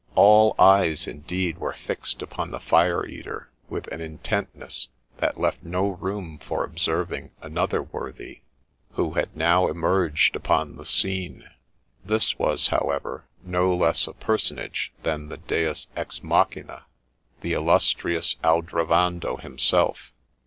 All eyes, indeed, were fixed upon the fire eater with an intentness that left no room for observing another worthy who had now emerged upon the scene. This was, however, no less a personage than the Deua ex machind, — the illustrious Aldrovando himself.